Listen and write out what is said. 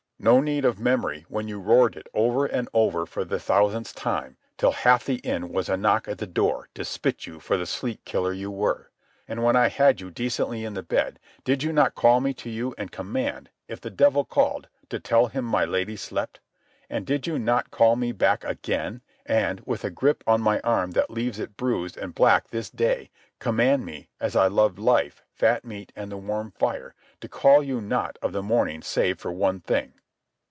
"No need of memory when you roared it over and over for the thousandth time till half the inn was a knock at the door to spit you for the sleep killer you were. And when I had you decently in the bed, did you not call me to you and command, if the devil called, to tell him my lady slept? And did you not call me back again, and, with a grip on my arm that leaves it bruised and black this day, command me, as I loved life, fat meat, and the warm fire, to call you not of the morning save for one thing?"